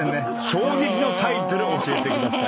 衝撃のタイトル教えてください。